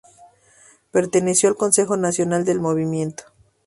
Perteneció al Consejo Nacional del Movimiento.